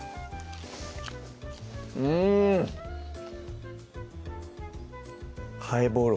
うんハイボール